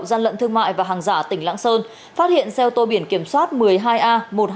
dân thương mại và hàng giả tỉnh lạng sơn phát hiện xe ô tô biển kiểm soát một mươi hai a một mươi hai nghìn sáu trăm bảy mươi